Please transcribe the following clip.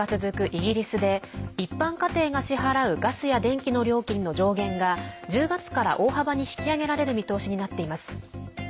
イギリスで一般家庭が支払うガスや電気の料金の上限が１０月から大幅に引き上げられる見通しになっています。